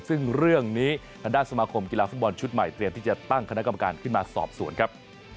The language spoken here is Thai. ซึ่งเรื่องนี้ทางด้านสมาคมกีฬาฟุตบอลชุดใหม่เตรียมที่จะตั้งคณะกรรมการขึ้นมาสอบสวนครับ